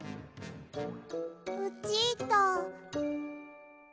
ルチータ。